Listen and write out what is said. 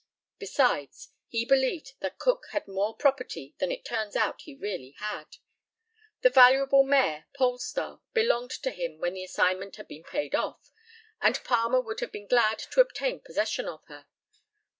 Besides, he believed that Cook had more property than it turns out he really had. The valuable mare, Pole Star, belonged to him when the assignment had been paid off, and Palmer would have been glad to obtain possession of her.